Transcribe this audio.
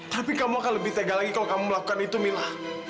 tapi kamu akan lebih tega lagi kalau kamu melakukan itu mila